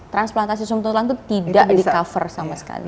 transplantasi sum tulang itu tidak di cover sama sekali